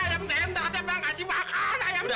ayam saya tidak siapa yang kasih makan